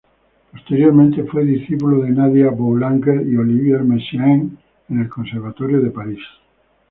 Posteriormente fue discípulo de Nadia Boulanger y Olivier Messiaen en el Conservatorio de París.